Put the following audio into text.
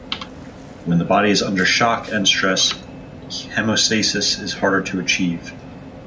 When the body is under shock and stress, hemostasis is harder to achieve.